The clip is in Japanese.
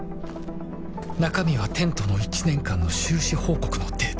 中身はテントの１年間の収支報告のデータ